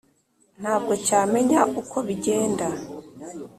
Ntabwo cyamenya uko bigenda.